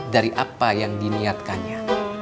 dari apa yang diniatkannya